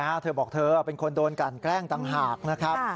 อ่าเนี้ยฮะเธอบอกเธอเป็นคนโดนการแกล้งต่างหากนะครับ